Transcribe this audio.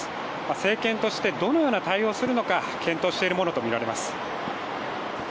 政権としてどのような対応をするのか検討しているものとみられます。